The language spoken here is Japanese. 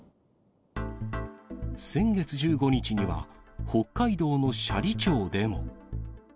先月１５日には、北海道の斜里町でも。